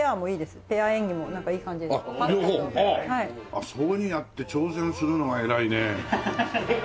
あっそういうふうにやって挑戦するのが偉いね。